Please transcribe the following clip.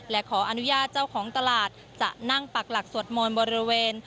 และขออนุญาตเจ้าของตลาดจะนั่งปักหลักสวดมนต์บริเวณ